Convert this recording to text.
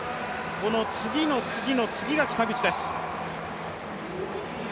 この次の次の次が北口です。